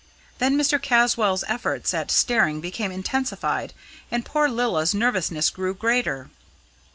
Then Mr. Caswall's efforts at staring became intensified, and poor Lilla's nervousness grew greater.